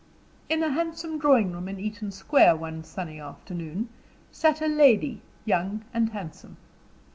In a handsome drawing room in Eaton Square, one sunny afternoon, sat a lady, young and handsome.